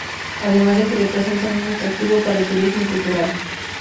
Además de que representan un atractivo para el turismo cultural.